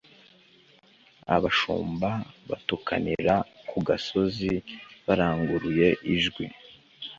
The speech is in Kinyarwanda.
abashumba batuka nirakugasoz i baranguruye ijwi